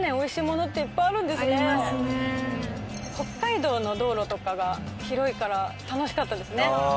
北海道の道路とかが広いから楽しかったですね。